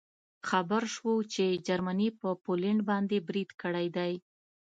خبر شوو چې جرمني په پولنډ باندې برید کړی دی